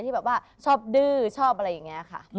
ที่แบบว่าชอบดื้อชอบอะไรอย่างนี้ค่ะ